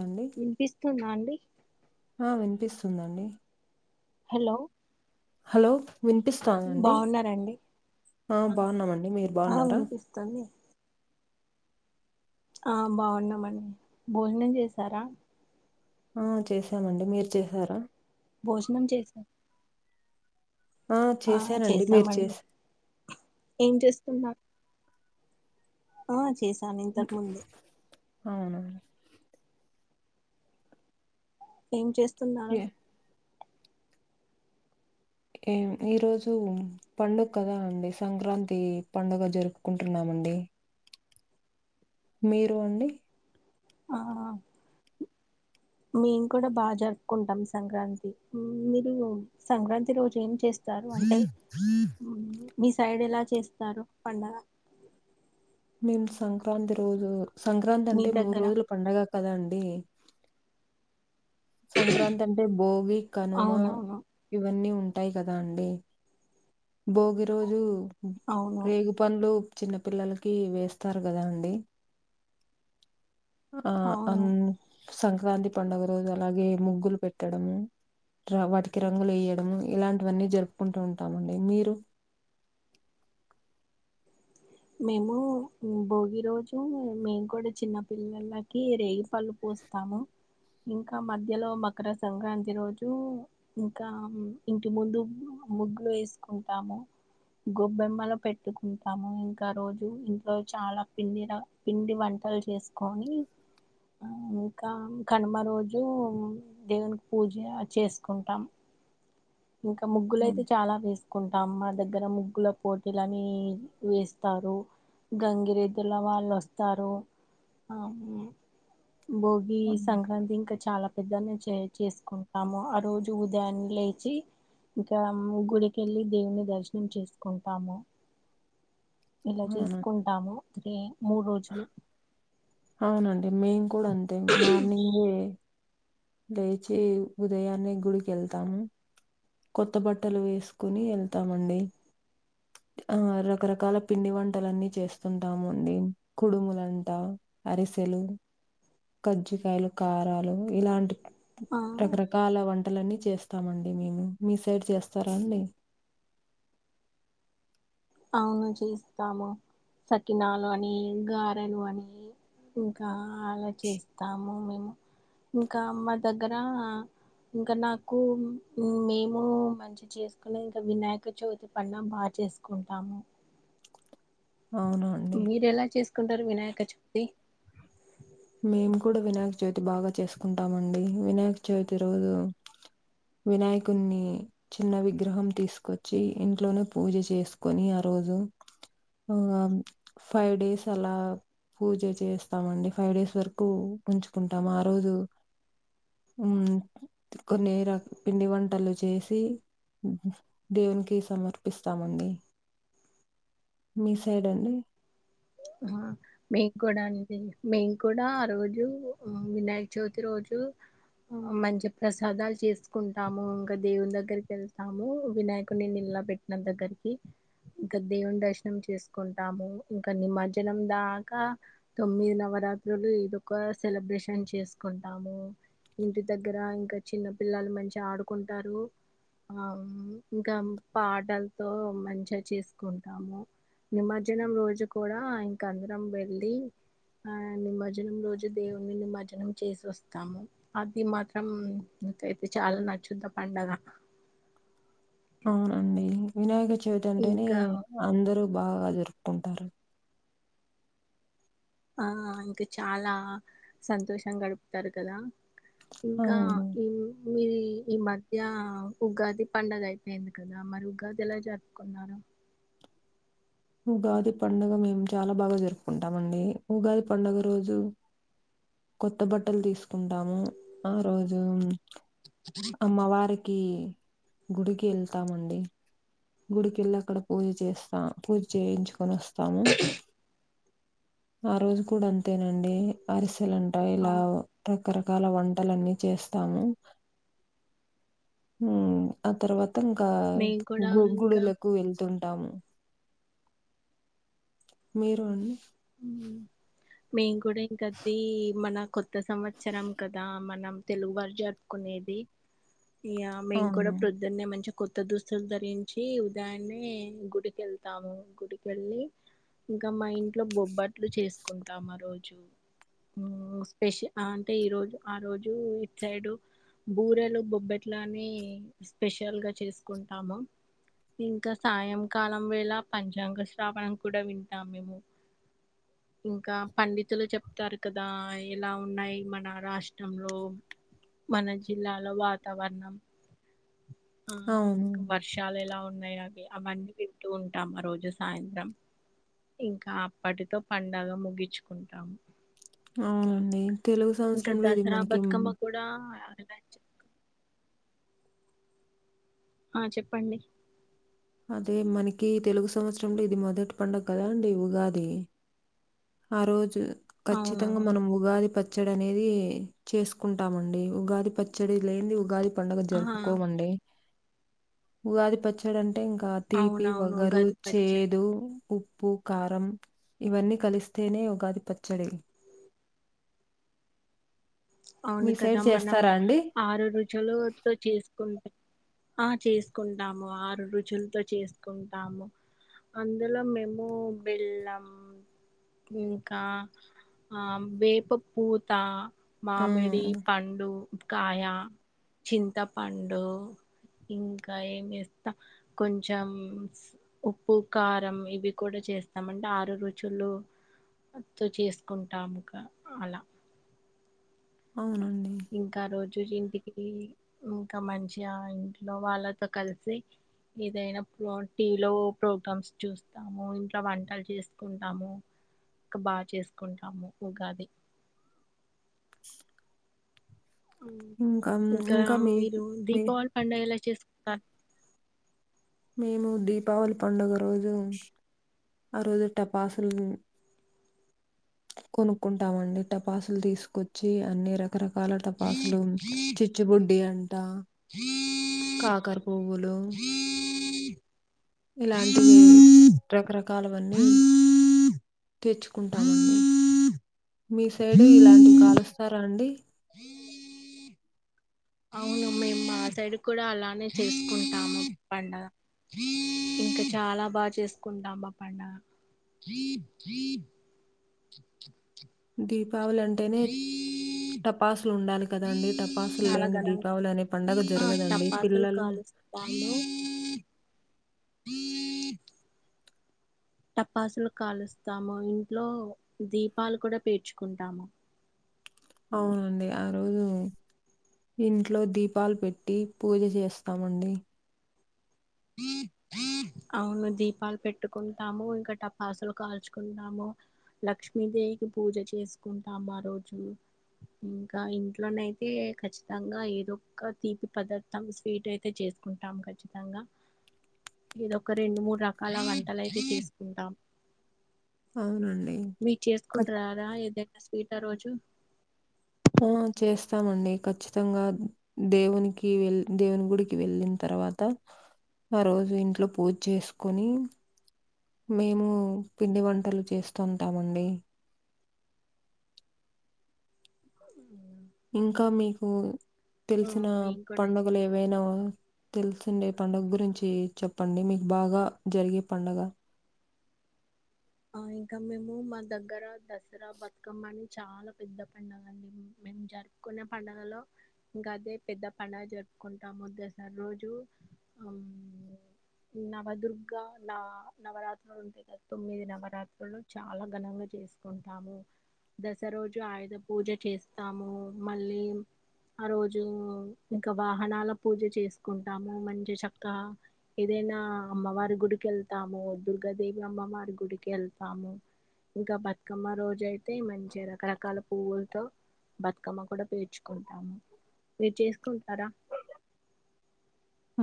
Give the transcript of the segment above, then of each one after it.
అండి వినిపిస్తుంద అండి ఆ వినిపిస్తుందండి హలో హలో వినిపిస్తాందా అండి బాగున్నారండి ఆ బాగున్నామండి మీరు బాగున్నారా తన్ని ఆ బాగున్నామండి భోజనం చేసారా ఆ చేసామండి మీరు చేసారా భోజనం చేస్ ఆ చేశానండి మీరు చేసామండి చేస ఏం చేస్తున్నారు ఆ చేసాను అవునా ఏం చేస్తున్నారు ఏ ఎం ఈరోజు పండుగ కదా అండి సంక్రాంతి పండుగ జరుపుకుంటున్నామండి మీరు అండి ఆ మేము కూడా బాగా జరుపుకుంటాం సంక్రాంతి మీరు సంక్రాంతి రోజు ఏం చేస్ స్తారు అంటే మీ సైడ్ ఎలా చేస్తారు పండగ మేము సంక్రాంతి రోజు సంక్రాంతి మీ అంటే మూడు దగ్గర రోజుల పండగ కదా అండి సంక్రాంతి అంటే భోగి కనుమ అవునవును ఇవన్నీ ఉంటాయి కదా అండి భోగి రోజు అవును రేగు పండ్లు చిన్న పిల్లలకి వేస్తారు కదా అండి ఆ అం అవును సంక్రాంతి పండుగ రోజు అలాగే ముగ్గులు పెట్టడము ర వాటికి రంగులేయడము ఇలాంటివన్నీ జరుపుకుంటూ ఉంటామండి మీరు మేము భోగి రోజు మేము కూడా చిన్న పిల్లలకి రేగిపళ్ళు పోస్ స్తాము ఇంకా మధ్యలో మకర సంక్రాంతి రోజు ఇంకా ఇంటి ముందు ముగ్గులు వేసుకుంటాము గొబ్బెమ్మలు పెట్టుకుంటాము రోజు ఇంట్లో చాల పిండి పిండి వంటలు చేసుకొని ఇంకా కనుమ రోజు దేవునికి పూజ చేసుకుంటాం ఇంక అవును, ముగ్గులయితే చాలా వేస్ కుంటాం మా దగ్గర ముగ్గుల పోటీలని వేస్తారు గంగిరెద్దుల వాళ్ళు వస్తారు ఆ భోగి అవును. ఈ సంక్రాంతి ఇంకా చాలా పెద్దనే చే చేసుకుంటాము ఆ రోజు ఉదయాన్నే లేచి ఇంకా ము గుడికెళ్ళి దేవుని దర్శనం చేసుకుంటాము ఇలా అవునా చేసుకుంటాము ఈ మూడు రోజులు అవునండి మేము కూడ అంతే మార్నింగే లేచి ఉదయాన్నే గుడికి వెళ్తాము కొత్త బట్టలు వేసుకుని వెళ్తామండి ఆ రకరకాల పిండి వంటలన్నీ చేస్తుంటాము అండి కుడుములంటా అరిసెలు కజ్జికయలు కారాలు ఇలాంటి ఆ రకరకాల వంటలన్నీ చేస్తామండి మేము మీ సైడ్ చేస్తారా అండి అవును చేస్తాము సకినాలు అని గారెలు అని ఇంకా అలా చేస్తాము మేము ఇంకా మా దగ్గర ఇంకా నాకు మేము మ చేసుకునే ఇంకా వినాయక చవితి పండగ బాగా చేసుకుంటాము అవునా అండి. మీరు ఎలా చేసుకుంటారు వినాయక చవితి మేము కూడా వినాయక చవితి బాగా చేసుకుంటామండి వినాయక చవితి రోజు వినాయకున్ని చిన్న విగ్రహం తీసుకొచ్చి ఇంట్లోనే పూజ చేసుకొని ఆ రోజు ఆ ఫైవ్ డేస్ అలా పూజ చేస్తామండి ఫైవ్ డేస్ వరకు ఉంచుకుంటాము ఆ రోజు కొన్ని రక్ పిండి వంటలు చేసి దేవునికి సమర్పిస్తామండి మీ సైడ్ అండి హ మేమ్ కూడ అ మేము కూడా ఆ రోజు వినాయక చవితి రోజు ఆ మంచి ప్రసాదాలు చేసుకుంటాము ఇంక దేవుని దగ్గరికి వెళ్తాము వినాయకుడిని నిళ్ళ పెట్ నా దగ్గరికి ఇంకా దేవుని దర్శనం చేసుకుంటాము ఇంక నిమజ్జనం దా ఇంక తొమ్మిది నవరాత్రులు ఇది ఒక సెలబ్రేషన్ చేసుకుంటాము ఇంటి దగ్గర ఇంకా చిన్న పిల్లాలు మంచిగ ఆడుకుంటారు ఆ ఇంక పాటల్తో మంచిగ చేసుకుంటాము నిమర్జనం రోజు కూడా ఇంక అందరం వెళ్లి ఆ నిమర్జనం రోజు దేవున్ణి నిమర్జనం చేసి వస్తాము అది మాత్రం నాకైతే చాల నచ్చుది ఆ పండుగ అవునండి వినాయక చవితి అంటేనే ఇంకా అందరు బాగా జరుపుకుంటారు ఆ ఇంకా చాలా సంతోషం గడుపుతారు కదా ఇంకా అవును ఈ మీది ఈ మధ్య ఉగాది పండగ అయిపోయింది కదా మరి ఉగాది ఎలా జరుపు కున్నారు ఉగాది పండుగ మేము చాలా బాగా జరుపుకుంటాం అండి ఉగాది పండుగ రోజు కొత్త బట్టలు తీసుకుంటాము ఆ రోజు అమ్మవారి కి గుడికి వెళ్తామండి గుడికెళ్ళి అక్కడ పూజ చేస్తా పూజ చేయించుకొని వస్తాము ఆ రోజు కూడా అంతేనండి అరిసెలంటా ఇలా అవును రకరకాల వంటలన్నీ చేస్తాము ఆ తర్వాత ఇంకా మేము కూడా గు ఇంకా గుడులకు వెళ్తుంటాము మీరు అండి మేం కూడా ఇంకది మన కొత్త సంవత్సరం కదా మనం తెలుగు వాల్లు జరుపుకునేది ఇ మేము కూడా అవును. ప్రొదు పొద్దున్నే మంచిగా కొత్త దుస్తులు ధరించి ఉదాయాన్నే గుడికెళ్తాము గుడికెళ్ళి ఇంకా మా ఇంట్లో బొబ్బట్లు చేసుకుంటాం ఆ రోజు స్పెషల్ అంటే ఈ రోజు ఆ రోజు ఇట్ సైడు బూరెలు బొబ్బెట్లని స్పెషల్ గా చేసుకుంటాము ఇంకా సాయంకాలం వేళ పంచాంగ శ్రావణం కూడా వింటాం మేము ఇంకా పండితులు చెప్తారు కదా ఎలా ఉన్నాయి మన రాష్ట్రంలో మన జిల్లాలో వాతావరణం ఆ అవును ఇంకా వర్షాలు ఎలా ఉన్నాయి అవి అవన్నీ వింటూ ఉంటాం ఆ రోజు సాయంత్రం ఇంకా అప్పటితో పండగ ముగించుకుంటాము అవునండి నేను తెలుగు సంవత్సరంలో ఇది మనకి చా ఆ చెప్పండి అదే మనకి తెలుగు సంవత్సరంలో ఇది మొదటి పండగ కదా అండి ఉగాది ఆ రోజు ఖచ్చితంగా అవునవును మనం ఉగాది ప పచ్చడి అనేది చేసుకుంటామండి ఉగాది పచ్చడి లేనిది ఉగాది పండుగ ఆ జరుపుకోమండి ఉగాది పచ్ చ్చడంటే ఇంకా తీపి అవునవును వగరు ఉగాది పచ్చడి చేదు ఉ ప్పు కారం ఇవన్నీ కలిస్తేనే ఉగాది పచ్చడి అవును మీ కదా సైడ్ మనం చేస్తారా అండి? ఆరు రుచులు తొ చేసుకుంటాం ఆ చేసుకుంటాము ఆరు రుచులతో చేసుకుంటాము అందులో మేము వెెళ్ళాం ఇంకా వేప పూత ఆ! మామిడి పండు కాయ చింతపండు ఇంకా ఏమి ఎస్తా కొంచెం ఉప్పు కారం ఇవి కూడా చేస్తామ అంటే ఆరు రుచులు తో చేసుకుంటాముగా అలా అవునండి ఇంకా ఆ రోజు ఇంటిగ్గరే ఇంకా మంచిగా ఇంట్లో వాళ్ళతో కలిసి ఏదైనాప్పుడు టీవీలో ప్రోగ్రామ్స్ చూస్తాము ఇంట్లో వంటలు చేసుకుంటాము ఇంకా బాగా చేసుకుంటాము ఉగాది ఇంకా మీరు మీ దీపావళి పడుగ ఎలా చేసు మేము దీపావళి పండుగ రోజు ఆ రోజు టపాసులు కొనుక్కుంటామండి టపాసులు తీసుకొచ్చి అన్ని రకరకాల టపాసులు చి చిచ్చుబుడ్డి అంట కాకర పువ్వులు ఇలాంటివి రకరకాలవన్నీ తెచ్చుకుంటామండి మీ సైడు ఇలాంటివి కాలుస్తారా అండి? అవును మేం మా సైడ్ కూడా అలానే చేసుకుంటాము పండగ ఇంకా చాలా బా చేసుకుంటాం పండగ దీపావళి అంట్ టపాసులు ఉండాలి కదండి టపాసులు చాలా లేని ఘనంగా దీపావళి అనే పండగ జరగదండి పిల్లలు వాళ్లు టపాసులు కాలుస్తాము ఇంట్లో దీపాలు కూడా పేర్చుకుంటాము అవునండి ఆ రోజు ఇంట్లో దీపాలు పెట్టి పూజ చేస్తాము అండి [unintelligible] అవును దీపాలు పెట్టుకుంటాము ఇంకా టపాసులు కాల్చుకుంటాము లక్ష్మీదేవికి పూజ చేసుకుంటాం ఆ రోజు ఇంకా ఇంట్లోనైతే ఖచ్చితంగా ఏదో ఒక తీపి పదార్ ర్థం స్వీట్ అయితే చేసుకుంటాం ఖచ్చితంగా ఇది ఒక రెండు మూడు రకాల వంటలైతే చేసుకుంటాం అవునండి. మీ ఖచ్ చేసుకుంటరా రా ఏదైనా స్వీట్ ఆ రోజు? ఆ చేస్తామండి ఖచ్చితంగా దేవునికి వెల్ దేవుని గుడికి వెళ్ళిన్ తర్వాత ఆ రోజు ఇంట్లో పూజ్ చేసుకొని మేము పిండి వంటలు చేస్తుంటామండి ఇంకా మీకు తెల్సిన మేము కూడా పండుగలు ఏవైనా తెల్సిండే పండగ గురించి చెప్పండి మీకు బాగా జరిగే పండగ ఆ ఇంకా మేము మా దగ్గర దస్రా, బతుకమ్మ అని చాలా పెద్ద పండగండి మేము జరి కొనే పండుగల్లో ఇంకా అదే పెద్ద పండగ జరుపుకుంటాము దస్రా రోజు అం నవదుర్గ నా నవరాత్రులు ఉంటాయ్ కదా తొమ్మిది నవ్ నవరాత్రులు చాలా ఘనంగా చేసుకుంటాము దసర్రోజు ఆయుధ పూజ చేస్తాము మళ్ళీ ఆ రోజు ఇంకా వాహనాల పూజ చేసుకుంటాము మంచి చక్కా ఏదైనా అమ్మవారి గుడికి వెళ్తాము దుర్గాదేవి అమ్మవారి గుడికి వెళ్తాము ఇంకా బతుకమ్మ రోజు అయితే మంచి రకరకాల పువ్వుల్తో బతుకమ్మ కూడా పేర్చుకుంటాము మీర్ చేస్కుంటారా?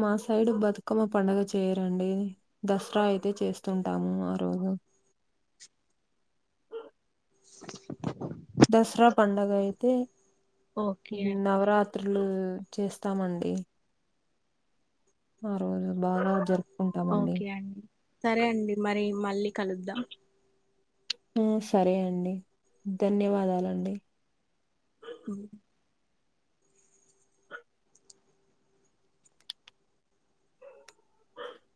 మా సైడు బతుకమ్మ పండగ చేయరండి దస్రా అయితే చేస్తుంటాము ఆ రోజు దస్రా పండగైతే ఓకే నవరాత్ త్రులు చేస్తామండి ఆ రోజు బాగా జరుప్ ఓకే అండి సరే అండి మరి మళ్ళీ కలుద్దాం ఉమ్ సరే అండి ధన్యవాదాలండి ఉమ్ అ